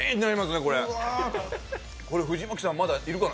これ、藤巻さん、まだいるかな。